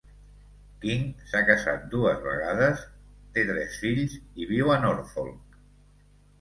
King s'ha casat dues vegades, té tres fills i viu a Norfolk.